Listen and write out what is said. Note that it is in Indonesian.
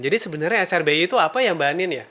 jadi sebenarnya srbi itu apa ya mbak anindita